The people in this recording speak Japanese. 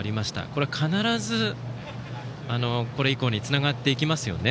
これは必ず、これ以降につながっていきますよね。